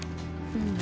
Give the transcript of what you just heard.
うん。